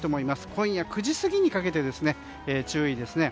今夜９時過ぎにかけて注意ですね。